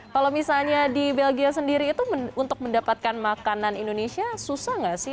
kalau misalnya di belgia sendiri itu untuk mendapatkan makanan indonesia susah nggak sih